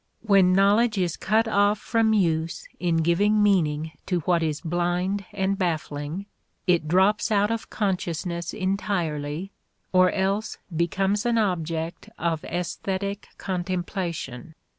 When knowledge is cut off from use in giving meaning to what is blind and baffling, it drops out of consciousness entirely or else becomes an object of aesthetic contemplation.